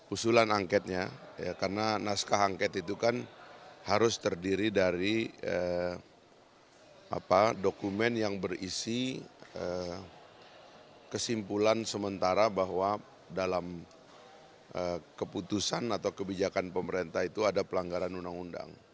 usulan angketnya karena naskah angket itu kan harus terdiri dari dokumen yang berisi kesimpulan sementara bahwa dalam keputusan atau kebijakan pemerintah itu ada pelanggaran undang undang